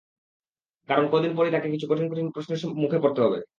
কারণ, কদিন পরই তাঁকে কিছু কঠিন কঠিন প্রশ্নের মুখে পড়তে হবে।